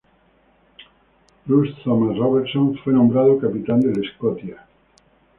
Bruce Thomas Robertson fue nombrado capitán del "Scotia".